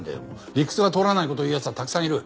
理屈が通らない事を言う奴はたくさんいる。